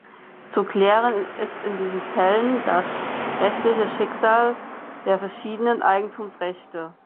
Zu klären ist in diesen Fällen das rechtliche Schicksal der verschiedenen Eigentumsrechte.